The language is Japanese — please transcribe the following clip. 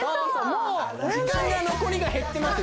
もう時間が残りが減ってます